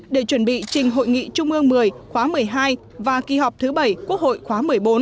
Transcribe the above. để chuẩn bị trình hội nghị trung ương một mươi khóa một mươi hai và kỳ họp thứ bảy quốc hội khóa một mươi bốn